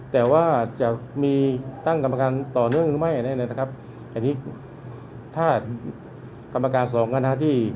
แต่ว่าที่จะมีตั้งกรรมการต่อเนื่องหรือไม่ให้ไหนนะครับ